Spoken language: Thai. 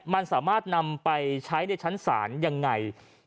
มันสามารถนำไปใช้ในชั้นศาลยังไง